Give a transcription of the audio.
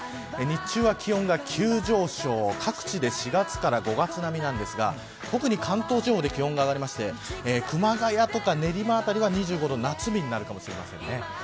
日中は気温が急上昇各地で４月から５月並みなんですが特に関東地方で気温が上がりまして熊谷とか練馬辺りは２５度夏日になるかもしれません。